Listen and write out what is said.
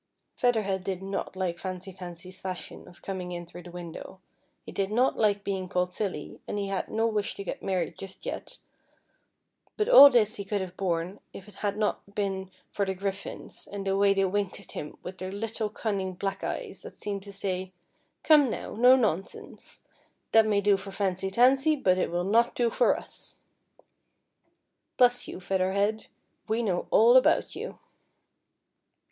Feather Head did not like Fancy Tansy's fashion of coming in through the window, he did not like being called silly, and he had no wish to get married just yet ; but all this he could have borne, if it had not been for 226 FEATHER HEAD. the griffins, and the way they winked at him with their little cunning black eyes, that seemed to say, " Come, now, no nonsense ; that may do for Fancy Tansy, but it will not do for us. Bless you, Feather Head, we know all about you."